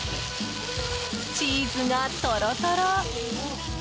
チーズがトロトロ。